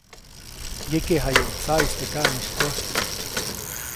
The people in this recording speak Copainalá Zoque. Yekeʼjayuʼuŋ tsaʼis teʼ kaʼŋis tyäjts.